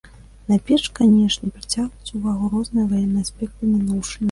Найперш, канечне, прыцягваюць увагу розныя ваенныя аспекты мінуўшчыны.